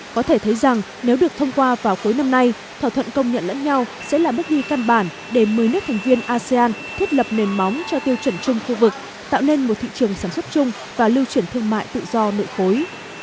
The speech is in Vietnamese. có thể thấy rằng nếu được thông qua vào cuối năm nay thỏa thuận công nhận lẫn nhau sẽ là bước đi căn bản để một mươi nước thành viên asean thiết lập nền móng cho tiêu chuẩn chung khu vực tạo nên một thị trường sản xuất chung và lưu chuyển thương mại tự do nội khối